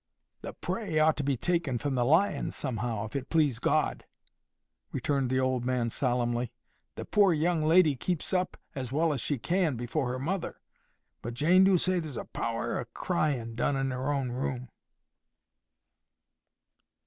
"The prey ought to be taken from the lion somehow, if it please God," returned the old man solemnly. "The poor young lady keeps up as well as she can before her mother; but Jane do say there's a power o' crying done in her own room."